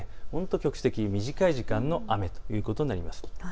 局地的、短い時間の雨ということになりそうです。